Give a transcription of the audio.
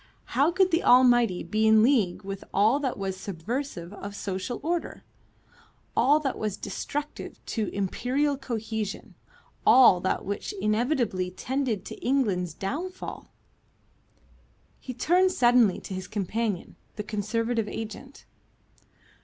How could the Almighty be in league with all that was subversive of social order, all that was destructive to Imperial cohesion, all that which inevitably tended to England's downfall? He turned suddenly to his companion, the Conservative agent.